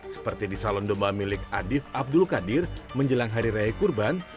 seperti di salon domba milik adif abdul qadir menjelang hari raya kurban